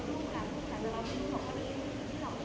สวัสดีครับสวัสดีครับ